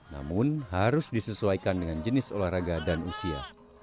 namun harus disesuaikan dengan jenis olahraga dan usia